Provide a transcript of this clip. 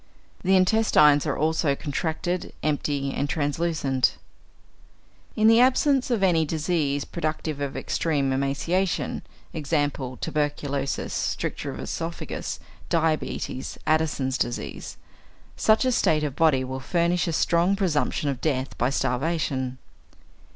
The intestines are also contracted, empty, and translucent. In the absence of any disease productive of extreme emaciation (e.g., tuberculosis, stricture of oesophagus, diabetes, Addison's disease), such a state of body will furnish a strong presumption of death by starvation.